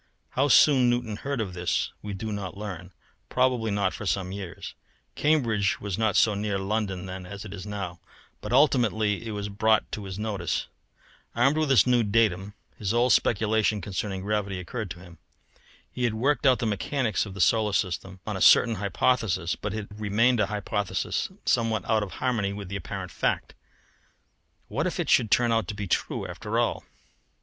How soon Newton heard of this we do not learn probably not for some years, Cambridge was not so near London then as it is now, but ultimately it was brought to his notice. Armed with this new datum, his old speculation concerning gravity occurred to him. He had worked out the mechanics of the solar system on a certain hypothesis, but it had remained a hypothesis somewhat out of harmony with apparent fact. What if it should turn out to be true after all!